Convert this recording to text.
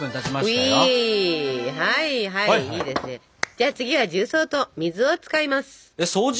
じゃあ次は重曹と水を使います！掃除？